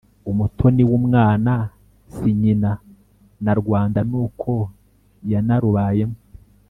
umutoni n’umwana si nyina, na rwanda nuko yanarubayemo